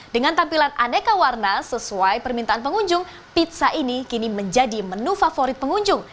dengan tampilan aneka warna sesuai permintaan pengunjung pizza ini kini menjadi menu favorit pengunjung